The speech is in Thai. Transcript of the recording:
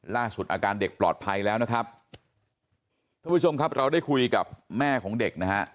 ล่าสุดอาการเด็กปลอดภัยเราได้คุยกับแม่ของเด็ก